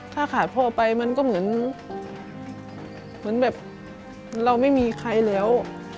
ถ้าขาดพ่อไปมันก็เหมือนแบบเราไม่มีใครแล้ว